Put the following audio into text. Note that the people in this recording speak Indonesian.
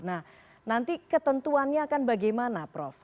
nah nanti ketentuannya akan bagaimana prof